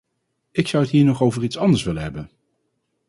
Ik zou het hier nog over iets anders willen hebben.